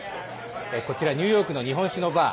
こちらニューヨークの日本酒のバー。